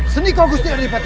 senikoh gusti dari pati